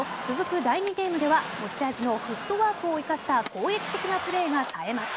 第２ゲームでは持ち味のフットワークを生かした攻撃的なプレーがさえます。